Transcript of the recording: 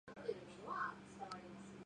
Đảng Lao động Việt Nam